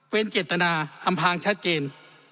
เป็นเจตนาอำพางชัดเจน